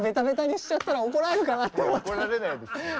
怒られないですよ。